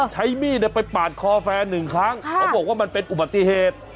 ใช้มีดไปปาดคอแฟนหนึ่งครั้งเขาบอกว่ามันเป็นอุบัติเหตุ